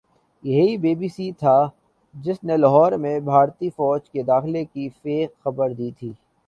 یہی B B C تھا جس نے لاہور میں بھارتی فوج کے داخلے کی فیک خبر دی تھی